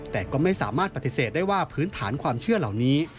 แต่ก็ไม่สามารถปฏิเสธได้ว่าพื้นฐานความเชื่อเหล่านี้